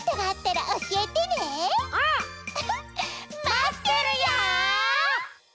まってるよ！